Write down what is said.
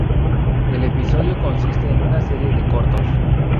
El episodio consiste en una serie de cortos.